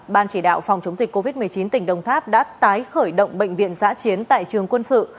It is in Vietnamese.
ban chỉ đạo phòng chống dịch covid một mươi chín tỉnh đồng tháp đã tái khởi động bệnh viện giã chiến tại trường quân sự